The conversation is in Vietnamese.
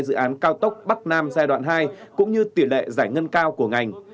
dự án cao tốc bắc nam giai đoạn hai cũng như tỷ lệ giải ngân cao của ngành